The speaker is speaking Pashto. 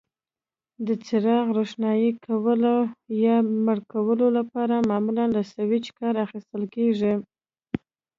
د څراغ روښانه کولو یا مړ کولو لپاره معمولا له سویچ کار اخیستل کېږي.